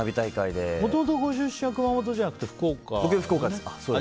もともとご出身は熊本じゃなくて福岡だよね。